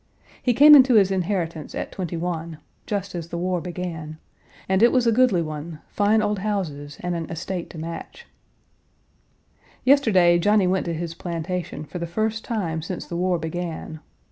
He came into his inheritance at twenty one (just as the war began), and it was a goodly one, fine old houses and an estate to match. Yesterday, Johnny went to his plantation for the first time since the war began.